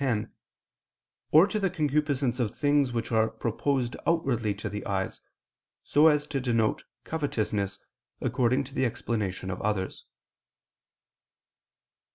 x); or to the concupiscence of things which are proposed outwardly to the eyes, so as to denote covetousness, according to the explanation of others.